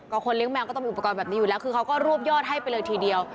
คนเลี้ยแมวก็ต้องมีอุปกรณ์แบบนี้อยู่แล้วคือเขาก็รวบยอดให้ไปเลยทีเดียว